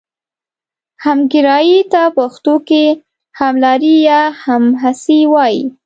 همګرایي ته پښتو کې هملاري یا همهڅي وايي.